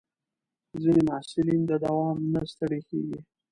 ځینې محصلین د دوام نه ستړي کېږي.